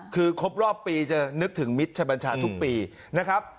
คือครบรอบปีจะนึกถึงมิตรชบัญชาทุกปีนะครับ